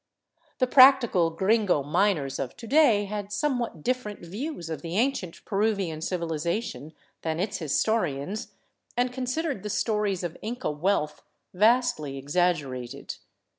Thie practical gringo miners of to day had somewhat different views of the ancient Peruvian civilization than its historians, and considered the stories of Inca wealth vastly exaggerated.